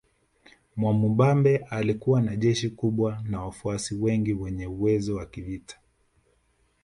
Mwamubambe alikuwa na jeshi kubwa na wafuasi wengi wenye uwezo wa vita